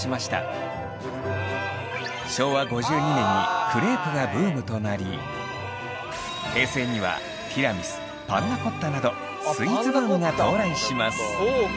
昭和５２年にクレープがブームとなり平成にはティラミスパンナコッタなどスイーツブームが到来します。